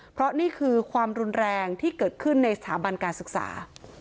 เพราะนี่คือความรุนแรงที่เกิดขึ้นในสถาบันการศึกษา